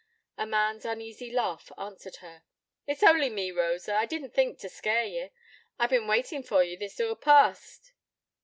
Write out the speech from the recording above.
A man's uneasy laugh answered her. 'It's only me, Rosa. I didna' think t' scare ye. I've bin waitin' for ye, this hoor past.'